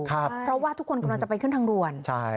เพราะว่าทุกคนกำลังจะไปขึ้นทางด่วน